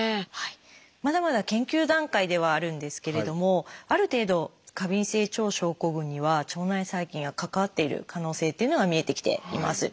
まだまだ研究段階ではあるんですけれどもある程度過敏性腸症候群には腸内細菌が関わっている可能性っていうのが見えてきています。